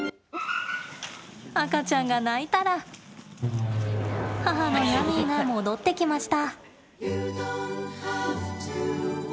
赤ちゃんが鳴いたら母のヤミーが戻ってきました。